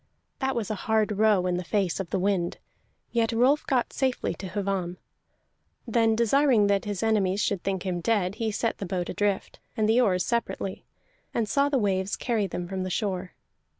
That was a hard row in the face of the wind, yet Rolf got safely to Hvamm. Then, desiring that his enemies should think him dead, he set the boat adrift, and the oars separately, and saw the waves carry them from the shore.